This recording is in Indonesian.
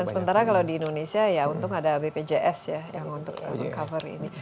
dan sementara kalau di indonesia ya untung ada bpjs ya yang untuk cover ini